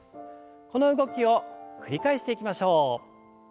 この動きを繰り返していきましょう。